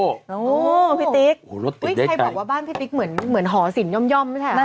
ใครบอกว่าบ้านพี่ติ๊กเหมือนห่อศิลป์ย่อมใช่มั้ย